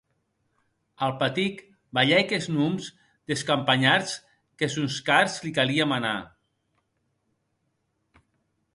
Alpatic balhèc es nòms des campanhards qu’es sòns cars li calie manar.